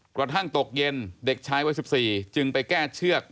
กระทั่งตกเย็นเด็กชายวัย๑๔จึงไปแก้เชือก